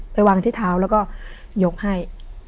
ไปวางที่เท้าแล้วก็ยกให้